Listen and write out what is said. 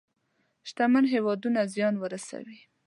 شتمن هېوادونه زيان ورسوي.